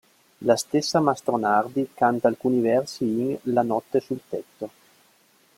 La stessa Mastronardi canta alcuni versi in "La notte sul tetto".